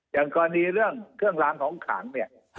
อย่างกอนนี้เรื่องความขาวของหกขังเนี่ย